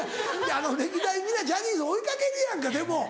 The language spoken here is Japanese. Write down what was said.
歴代皆ジャニーズ追い掛けるやんかでも。